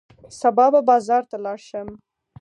سبا به بازار ته لاړ شم.